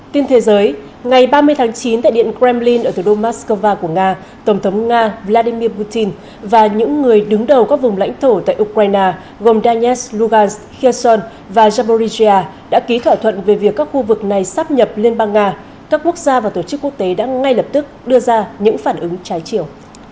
tin thế giới ngày ba mươi tháng chín tại điện kremlin ở thủ đô moscow của nga tổng thống nga vladimir putin và những người đứng đầu các vùng lãnh thổ tại ukraine gồm donetsk lugansk kherson và zaporizhia đã ký thỏa thuận về việc các khu vực này sắp nhập liên bang nga các quốc gia và tổ chức quốc tế đã ngay lập tức đưa ra những phản ứng trái chiều